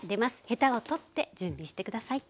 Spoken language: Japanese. ヘタを取って準備して下さい。